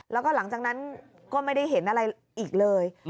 แล้วก็หลังจากนั้นก็ไม่ได้เห็นอะไรอีกเลย